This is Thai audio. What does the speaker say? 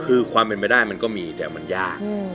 คือความเป็นไปได้มันก็มีแต่มันยาก